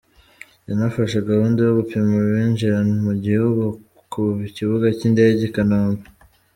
Yanafashe gahunda yo gupima abinjira mu gihugu ku kibuga cy’indege i Kanombe.